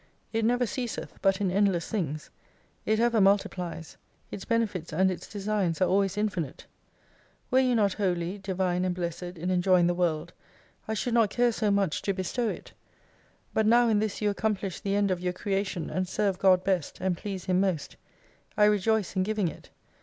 It never ceaseth but in endless things. It ever multiplies. Its benefits and its designs are always infinite. Were you not Holy, Divine, and Blessed in enjoying the World, I should not care so much to bestow it. But now in this you accomplish the end of your creation, and serve God best, and please Him most : I rejoice in giving it.